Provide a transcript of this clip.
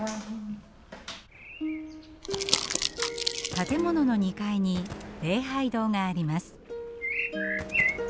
建物の２階に礼拝堂があります。